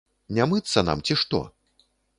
Не мыцца нам ці што?